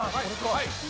はい！